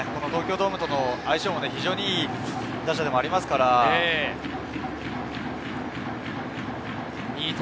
東京ドームとの相性も非常にいい打者でもありますからね。